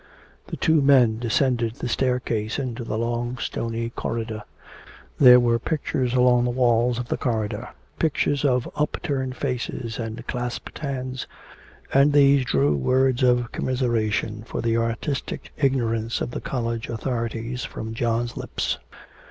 The two men descended the staircase into the long stony corridor. There were pictures along the walls of the corridor pictures of upturned faces and clasped hands and these drew words of commiseration for the artistic ignorance of the college authorities from John's lips.